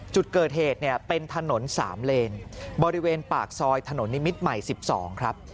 จุดเกิดเหตุเนี่ยเป็นถนน๓เลนบริเวณปากซอยถนนนิมิตรใหม่๑๒ครับ